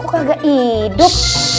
kok kagak hidup